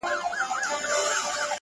ه ياره تا زما شعر لوسته زه دي لــوســتم،